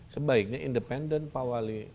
sebaiknya independen pak wali